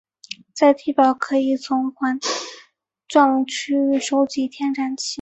在地表可以从环状区域收集天然气。